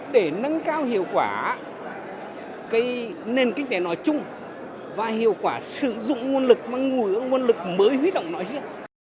để nâng cao hiệu quả nền kinh tế nói chung và hiệu quả sử dụng nguồn lực mới huy động nói chung